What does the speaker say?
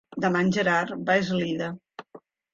Demà en Gerard va a Eslida.